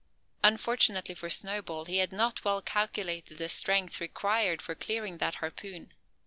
Unfortunately for Snowball, he had not well calculated the strength required for clearing that harpoon.